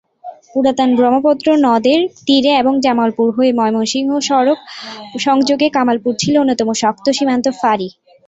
পুরাতন ব্রহ্মপুত্র নদের তীরে এবং জামালপুর হয়ে ময়মনসিংহ সড়ক সংযোগে কামালপুর ছিল অন্যতম শক্ত সীমান্ত ফাঁড়ি।